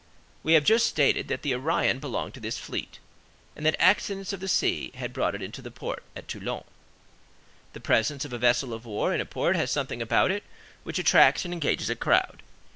We have just stated that the Orion belonged to this fleet, and that accidents of the sea had brought it into port at Toulon. The presence of a vessel of war in a port has something about it which attracts and engages a crowd.